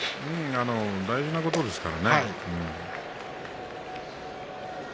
大事なことですからね。